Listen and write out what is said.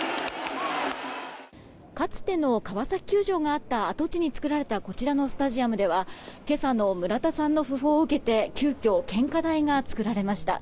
かつての川崎球場があった跡地に作られたこちらのスタジアムでは今朝の村田さんの訃報を受けて急きょ、献花台が作られました。